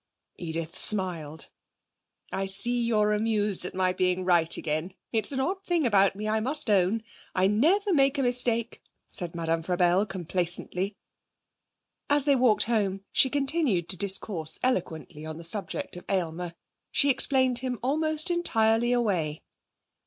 Edith smiled. 'I see you're amused at my being right again. It is an odd thing about me, I must own. I never make a mistake,' said Madame Frabelle complacently. As they walked home, she continued to discourse eloquently on the subject of Aylmer. She explained him almost entirely away.